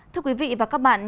thưa quý vị và các bạn